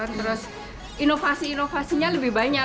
terus inovasi inovasinya lebih banyak